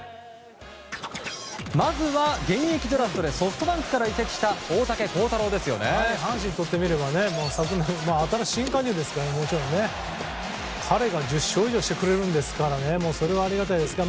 まずは、現役ドラフトでソフトバンクから移籍した阪神にとってみれば新加入ですから彼が１０勝以上してくれるわけですからそれはありがたいです。